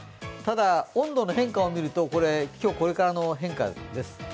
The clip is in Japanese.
ただ、温度の変化を見るとこれは今日これからの変化です。